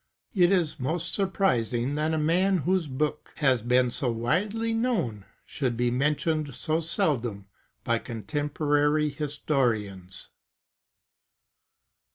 ^ It is most surprising that a man whose book has been so widely known, should be mentioned so seldom by contemporary historians.